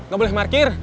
gak boleh markir